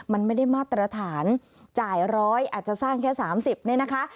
มันไม่ได้มาตรฐานจ่ายร้อยอาจจะสร้างแค่๓๐เนี่ยนะคะ